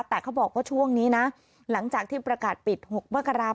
แต่เขาบอกว่าช่วงนี้นะหลังจากที่ประกาศปิด๖มกราค